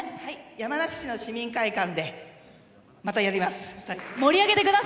山梨市の市民会館でまたやります。